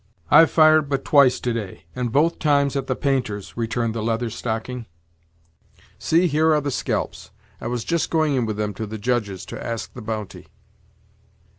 "I've fired but twice to day, and both times at the painters," returned the Leather Stocking; "see, here are the scalps! I was just going in with them to the Judge's to ask the bounty."